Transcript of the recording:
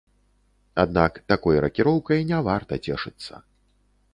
Аднак такой ракіроўкай не варта цешыцца.